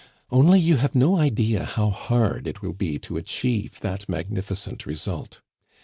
"Only you have no idea how hard it will be to achieve that magnificent result.